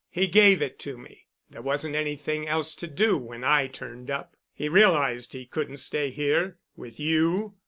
"He gave it to me. There wasn't anything else to do when I turned up. He realized he couldn't stay here—with you."